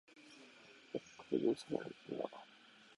北海道更別村